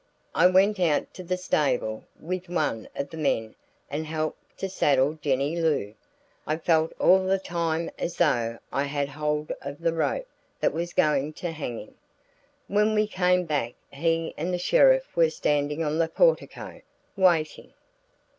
I went out to the stable with one of the men and helped to saddle Jennie Loo. I felt all the time as though I had hold of the rope that was going to hang him. When we came back he and the sheriff were standing on the portico, waiting.